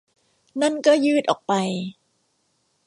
นั่นก็ยืดออกไป